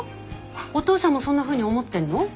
おとうさんもそんなふうに思ってんの？